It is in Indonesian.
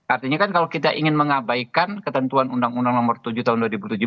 artinya kan kalau kita ingin mengabaikan ketentuan undang undang nomor tujuh tahun dua ribu tujuh belas